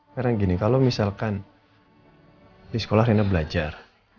karena gini kalau misalkan di sekolah riana belajar